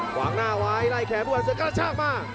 หวางหน้าไหวไล่แขกผู้พันธ์เสือกระชากมา